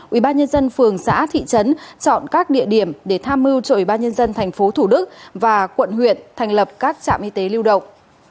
ubnd phường xã thị trấn chọn các địa điểm để tham mưu cho ubnd tp thủ đức và quận huyện thành lập các trạm y tế lưu động